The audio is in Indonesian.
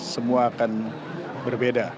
semua akan berbeda